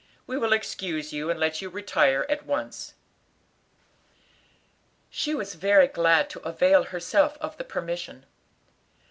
"We will excuse you and let you retire at once." She was very glad to avail herself of the permission.